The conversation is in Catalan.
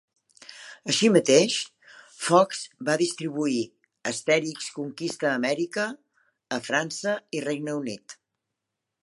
Així mateix, Fox va distribuir "Asterix conquista Amèrica" a França i Regne Unit.